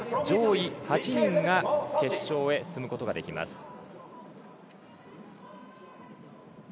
上位８人が決勝へ進むことができます。